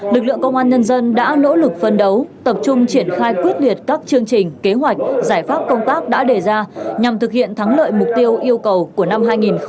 lực lượng công an nhân dân đã nỗ lực phân đấu tập trung triển khai quyết liệt các chương trình kế hoạch giải pháp công tác đã đề ra nhằm thực hiện thắng lợi mục tiêu yêu cầu của năm hai nghìn hai mươi ba